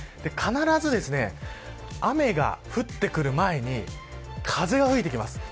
必ず雨が降ってくる前に風が吹いてきます。